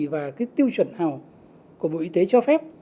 và tiêu chuẩn nào của bộ y tế cho phép